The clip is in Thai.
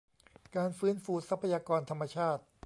การฟื้นฟูทรัพยากรธรรมชาติ